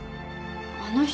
あの人